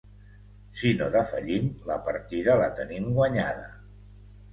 Si no defallim, la partida la tenim guanyada.